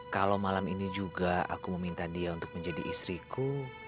kalau malam ini juga aku meminta dia untuk menjadi istriku